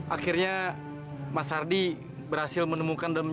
akhirnya mas ardi berhasil menemukan dan menyalahkan